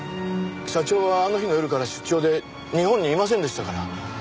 社長はあの日の夜から出張で日本にいませんでしたから。